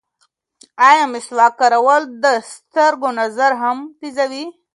ایا مسواک کارول د سترګو نظر هم تېروي؟